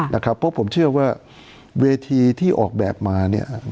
เพราะผมเชื่อว่าเวทีที่ออกแบบมาเนี่ย